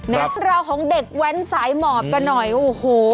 เรื่องราวของเด็กแว้นสายหมอบกันหน่อยโอ้โห